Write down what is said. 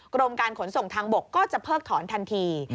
กรมการขนส่งทางบกก็จะเพิกถอนทันที